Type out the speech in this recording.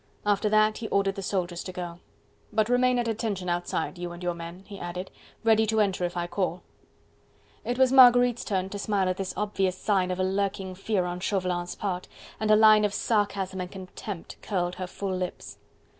After that he ordered the soldiers to go. "But remain at attention outside, you and your men," he added, "ready to enter if I call." It was Marguerite's turn to smile at this obvious sign of a lurking fear on Chauvelin's part, and a line of sarcasm and contempt curled her full lips.